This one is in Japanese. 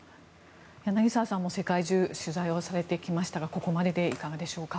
柳澤さんも世界中、取材をされてきましたがここまででいかがでしょうか？